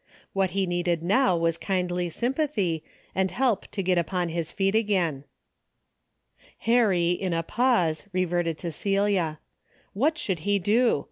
What he needed now was kindly 202 A DAILY bate: sympathy and help to get upon his feet again. Harry, in a pause, reverted to Celia. What should he do